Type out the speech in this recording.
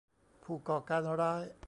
ผู้ก่อการร้าย